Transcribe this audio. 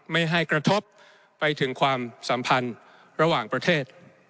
ไม่ให้กระทบไปถึงความสัมพันธ์ระหว่างประเทศ